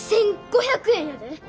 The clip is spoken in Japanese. １，５００円やで。